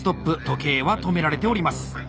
時計は止められております。